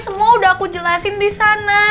semua udah aku jelasin di sana